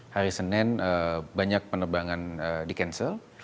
hari senin banyak penerbangan di cancel